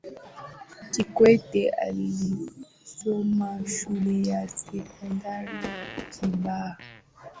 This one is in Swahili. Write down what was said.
kikwete alisoma shule ya sekondari kibaha